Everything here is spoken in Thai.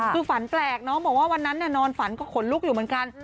คือฝันแปลกน้องบอกว่าวันนั้นนอนฝันก็ขนลุกอยู่เหมือนกัน